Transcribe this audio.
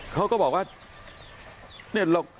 เขาก็บอกว่า